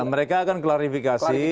mereka akan klarifikasi